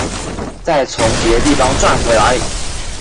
再從別地方賺回來